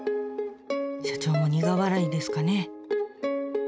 社長も苦笑いですかね。